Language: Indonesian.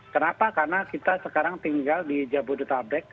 kenapa karena kita sekarang tinggal di jabodetabek